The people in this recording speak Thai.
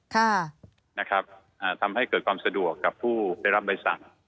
ค่ะนะครับอ่าทำให้เกิดความสะดวกกับผู้ได้รับใบสั่ง